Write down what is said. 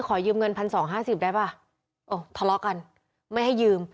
ขอยืมเงินพันสองห้าสิบได้ป่ะโอ้ทะเลาะกันไม่ให้ยืม